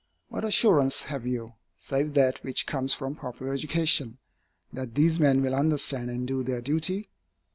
What assurance have you, save that which comes from popular education, that these men will understand and do their duty?